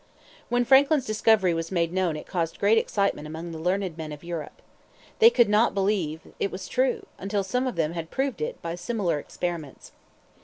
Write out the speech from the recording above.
When Franklin's discovery was made known it caused great excitement among the learned men of Europe. They could not believe it was true until some of them had proved it by similar experiments.